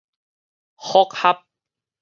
覆合